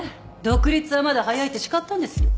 独立はまだ早いって叱ったんですよ。